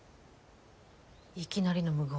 いきなりの無言。